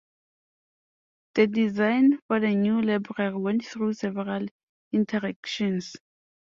The design for the new library went through several iterations.